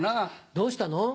どうしたの？